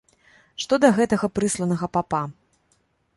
Што да гэтага прысланага папа.